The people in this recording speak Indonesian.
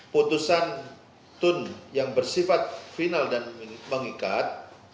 putusan tun yang bersifat final dan mengikat